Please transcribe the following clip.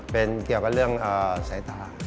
เป็นเกี่ยวกับเรื่องสายตา